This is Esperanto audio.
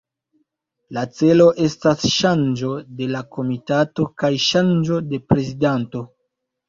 La celo estas ŝanĝo de la komitato, kaj ŝanĝo de prezidanto.